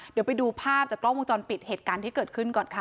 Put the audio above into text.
เดี๋ยวไปดูภาพจากกล้องวงจรปิดเหตุการณ์ที่เกิดขึ้นก่อนค่ะ